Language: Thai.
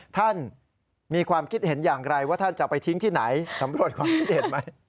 ท่านมีความคิดเห็นอย่างไรว่าท่านจะไปทิ้งที่ไหนสำรวจความคิดเห็นไหม